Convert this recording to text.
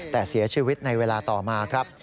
แต่เสียชีวิตในเวลาต่อมาครับ